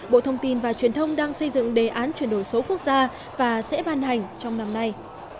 bộ thông tin và truyền thông đang xây dựng đề án chuyển đổi số quốc gia và sẽ ban hành trong năm nay